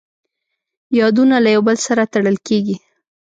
یادونه له یو بل سره تړل کېږي.